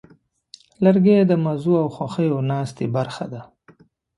لرګی د مزو او خوښیو ناستې برخه ده.